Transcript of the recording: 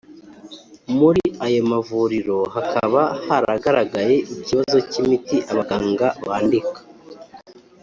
Muri ayo mavuriro hakaba haragaragaye ikibazo cy imiti abaganga bandika